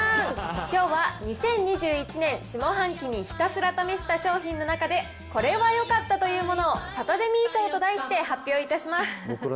きょうは２０２１年下半期にひたすら試した商品の中で、これはよかったというものをサタデミー賞と題して発表いたします